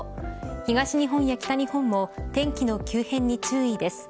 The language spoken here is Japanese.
東日本や北日本も天気の急変に注意です。